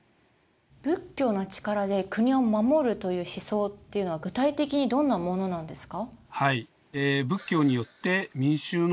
仏教の力で国を護るという思想っていうのは具体的にどんなものなんですか？